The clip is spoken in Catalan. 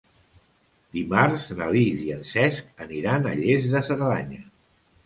Dimarts na Lis i en Cesc aniran a Lles de Cerdanya.